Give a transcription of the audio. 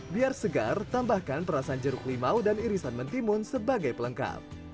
biar segar tambahkan perasan jeruk limau dan irisan mentimun sebagai pelengkap